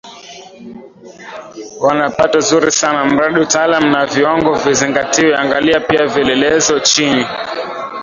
wana pato zuri sana mradi utaalaam na viwango vizingatiwe Angalia pia vielelezo chini